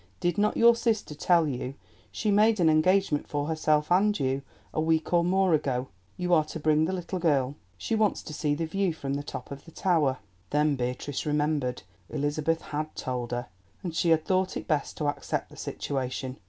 "Did not your sister tell you she made an engagement for herself and you a week or more ago? You are to bring the little girl; she wants to see the view from the top of the tower." Then Beatrice remembered. Elizabeth had told her, and she had thought it best to accept the situation.